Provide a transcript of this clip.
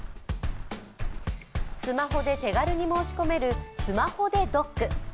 スマホで手軽に申し込めるスマホｄｅドック。